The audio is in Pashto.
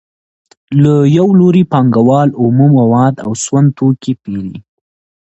له یو لوري پانګوال اومه مواد او سون توکي پېري